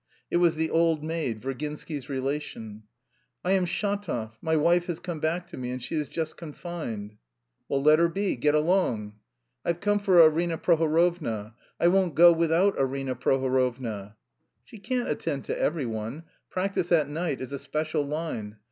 It was the old maid, Virginsky's relation. "I am Shatov, my wife has come back to me and she is just confined...." "Well, let her be, get along." "I've come for Arina Prohorovna; I won't go without Arina Prohorovna!" "She can't attend to every one. Practice at night is a special line.